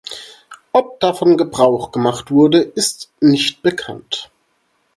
Ob davon Gebrauch gemacht wurde, ist nicht bekannt.